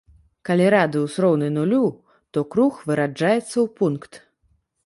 Калі радыус роўны нулю, то круг выраджаецца ў пункт.